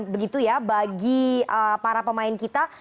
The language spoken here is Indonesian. bagi para pemain kita